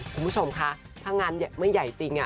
คุณผู้ชมคะถ้างานไม่ใหญ่จริง